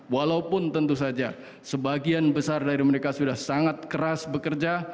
walaupun tentu saja sebagian besar dari mereka sudah sangat keras bekerja